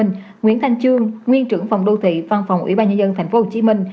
nguyễn thanh trương nguyên trưởng phòng đô thị văn phòng ủy ban nhân dân tp hcm